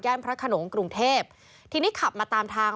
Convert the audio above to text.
พระขนงกรุงเทพทีนี้ขับมาตามทาง